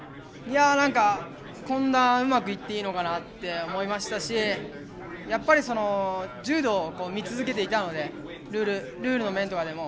こんなうまくいっていいのかなって思いましたし柔道を見続けていたのでルールの面でも。